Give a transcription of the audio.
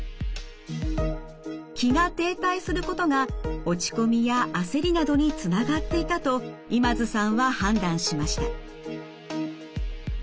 気が停滞することが落ち込みや焦りなどにつながっていたと今津さんは判断しました。